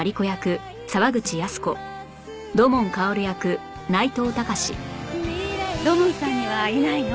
土門さんにはいないの？